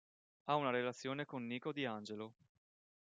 Ha una relazione con Nico Di Angelo.